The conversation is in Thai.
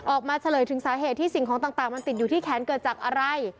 เฉลยถึงสาเหตุที่สิ่งของต่างมันติดอยู่ที่แขนเกิดจากอะไร